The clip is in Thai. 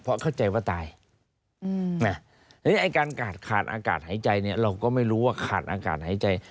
เพราะเข้าใจว่าตายฉะนั้นไอ้การขาดขาดอากาศหายใจเนี่ยเราก็ไม่รู้ว่าขาดอากาศหายใจ